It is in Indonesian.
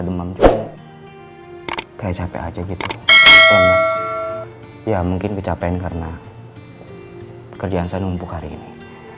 demam juga kayak capek aja gitu ya mungkin kecapekan karena kerjaan saya mumpuk hari ini